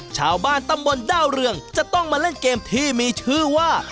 ชาวบ้านตำบลด้าวเรืองจะต้องมาเล่นเกมที่มีชื่อว่า